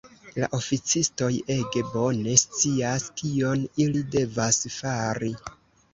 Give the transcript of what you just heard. La oficistoj ege bone scias, kion ili devas fari.